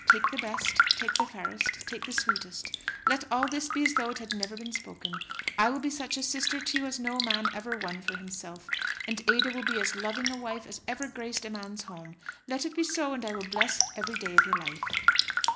Take the best; take the fairest; take the sweetest. Let all this be as though it had never been spoken. I will be such a sister to you as no man ever won for himself. And Ada will be as loving a wife as ever graced a man's home. Let it be so, and I will bless every day of your life."